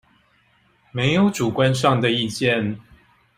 沒有主觀上的意見